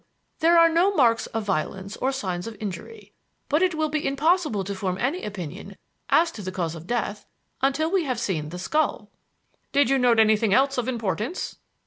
There are no marks of violence or signs of injury. But it will be impossible to form any opinion as to the cause of death until we have seen the skull." "Did you note anything else of importance?"